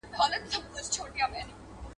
• خر و ځان ته اريان و، خاوند ئې بار ته.